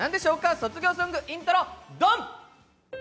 卒業ソング、イントロドン！